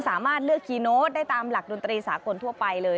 สามารถเลือกคีย์โน้ตได้ตามหลักดนตรีสากลทั่วไปเลย